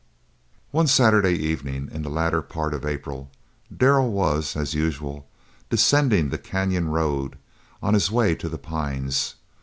One Saturday evening in the latter part of April Darrell was, as usual, descending the canyon road on his way to The Pines.